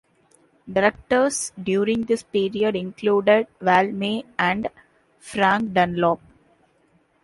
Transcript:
Directors during this period included Val May and Frank Dunlop.